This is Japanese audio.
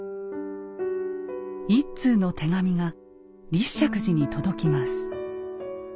１通の手紙が立石寺に届きます。